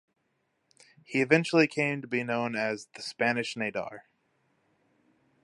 He eventually came to be known as the "Spanish Nadar".